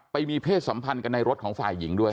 ไปมีเพศสัมพันธ์กันในรถของฝ่ายหญิงด้วย